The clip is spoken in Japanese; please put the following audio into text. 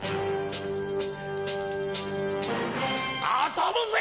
遊ぶぜ！